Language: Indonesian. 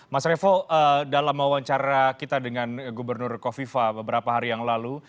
mas revo dalam wawancara kita dengan gubernur kofifa beberapa hari yang lalu